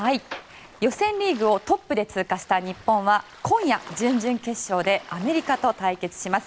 予選リーグをトップで通過した日本は今夜、準々決勝でアメリカと対決します。